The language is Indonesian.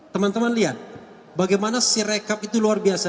teman teman lihat bagaimana si rekap itu luar biasa